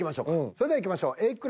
それではいきましょう。